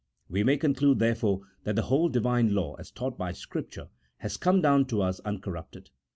We may conclude, therefore, that the whole Divine law, as taught by Scripture, has come down to us uncorrupted.